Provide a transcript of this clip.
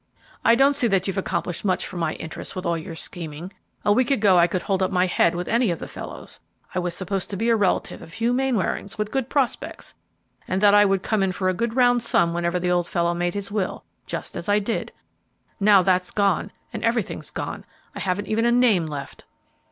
"I don't see that you've accomplished much for my interests with all your scheming. A week ago I could hold up my head with any of the fellows. I was supposed to be a relative of Hugh Mainwaring's, with good prospects, and that I would come in for a good round sum whenever the old fellow made his will, just as I did. Now that's gone, and everything's gone; I haven't even a name left!"